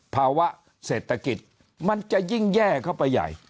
ภาวะเศรษฐกิจมันจะยิ่งแย่เข้าไปใหญ่